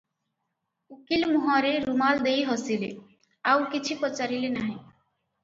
ଉକୀଲ ମୁହଁରେ ରୁମାଲ ଦେଇ ହସିଲେ, ଆଉ କିଛି ପଚାରିଲେ ନାହିଁ ।